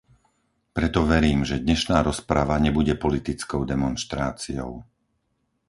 Preto verím, že dnešná rozprava nebude politickou demonštráciou.